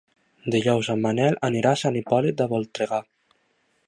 Dijous en Manel anirà a Sant Hipòlit de Voltregà.